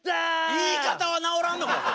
言い方は直らんのか！